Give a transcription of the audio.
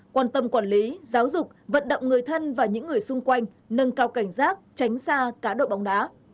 quan tâm quản lý giáo dục vận động người thân và những người xung quanh nâng cao cảnh giác tránh xa cá độ bóng đá